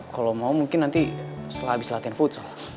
kalau mau mungkin nanti setelah habis latihan futsal